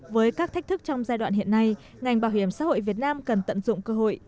với các thách thức trong giai đoạn hiện nay ngành bảo hiểm xã hội việt nam cần tận dụng cơ hội